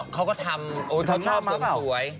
เค้าก็ทำโอ้เค้าชอบสวย